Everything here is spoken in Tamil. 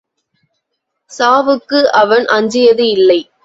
சாவுக்கு அவன் அஞ்சியது இல்லை.